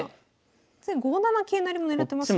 ５七桂成も狙ってますね。